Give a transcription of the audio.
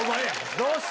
どうした？